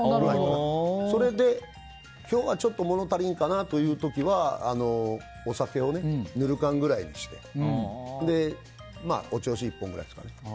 それで今日はちょっと物足りんかなという時はお酒をぬるかんくらいにしておちょうし１本くらいですかね。